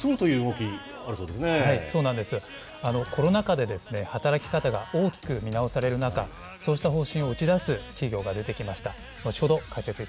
コロナ禍で働き方が大きく見直される中、そうした方針を打ち出す企業が出てきました。